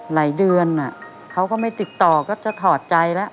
หลายเดือนเขาก็ไม่ติดต่อก็จะถอดใจแล้ว